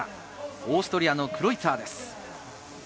オーストリアのクロイツァーです。